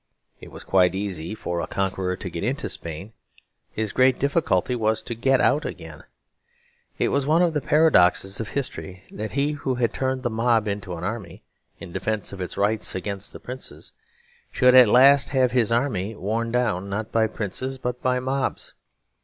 It was quite easy for a conqueror to get into Spain; his great difficulty was to get out again. It was one of the paradoxes of history that he who had turned the mob into an army, in defence of its rights against the princes, should at last have his army worn down, not by princes but by mobs.